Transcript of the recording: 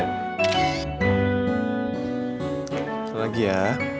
satu lagi ya